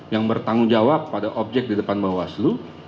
yang bertanggung jawab pada objek di depan bawaslu